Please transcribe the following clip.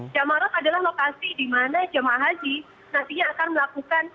jum'ah ras adalah lokasi di mana jum'ah haji nantinya akan melakukan